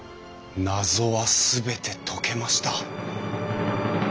謎は全て解けました！